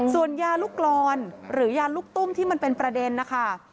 ส่วนยาลูกกรอนหรือยาลูกตุ้มที่มันเป็นประเด็นนะคะ